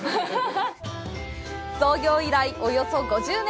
創業以来、およそ５０年。